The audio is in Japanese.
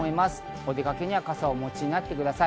お出かけには傘をお持ちください。